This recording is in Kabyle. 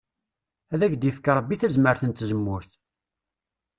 Ad k-yefk Ṛebbi tazmart n tzemmurt.